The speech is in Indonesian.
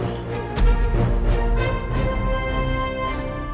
tentang mama abi dan dewi